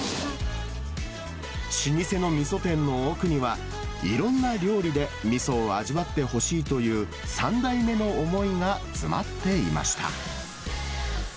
老舗のみそ店の奥には、いろんな料理でみそを味わってほしいという３代目の思いが詰まっていました。